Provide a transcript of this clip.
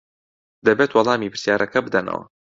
دەبێت وەڵامی پرسیارەکە بدەنەوە.